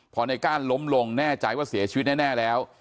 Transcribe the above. พอในก้านล้มลงแน่ใจว่าเสียชีวิตแน่แล้ว